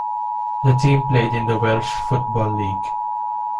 The team played in the Welsh Football League.